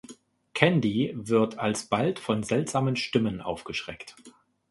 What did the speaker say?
Candy wird alsbald von seltsamen Stimmen aufgeschreckt.